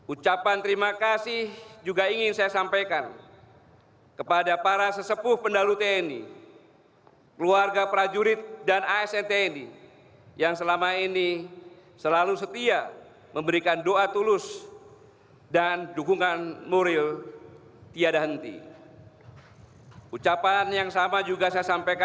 ucapan yang sama juga saya sampaikan kepada para prajurit tni